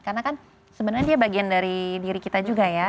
karena kan sebenarnya dia bagian dari diri kita juga ya